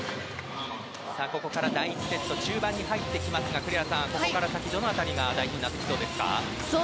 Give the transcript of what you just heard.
ここから第１セット中盤ですが栗原さん、ここから先どの辺りが大事になってきそうですか。